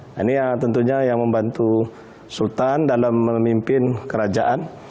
nah ini tentunya yang membantu sultan dalam memimpin kerajaan